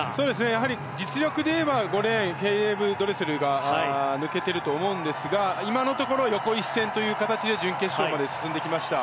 やはり実力でいえば５レーン、ケイレブ・ドレセルが抜けていると思うんですが今のところ横一線という形で準決勝まで進んできました。